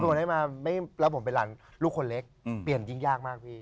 ได้มาแล้วผมเป็นหลานลูกคนเล็กเปลี่ยนยิ่งยากมากพี่